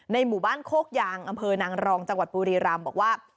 หมู่บ้านโคกยางอำเภอนางรองจังหวัดบุรีรำบอกว่า